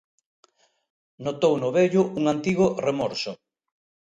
Notou no vello un antigo remorso.